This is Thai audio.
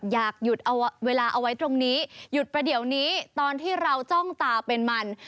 อยากหยุดเอาเวลาเอาไว้ตรงนี้หยุดประเดี๋ยวนี้ตอนที่เราจ้องตาเป็นมัน